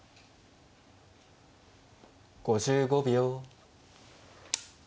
５５秒。